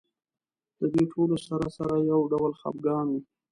د دې ټولو سره سره یو ډول خپګان و.